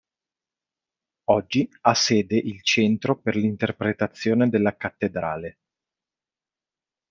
Oggi ha sede il Centro per l'Interpretazione della Cattedrale.